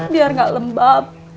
biar gak lembab